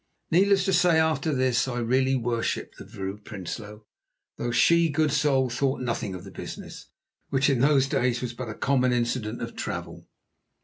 Needless to say, after this I really worshipped the Vrouw Prinsloo, though she, good soul, thought nothing of the business, which in those days was but a common incident of travel.